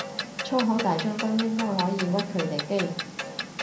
粗口大將軍應該可以屈佢哋機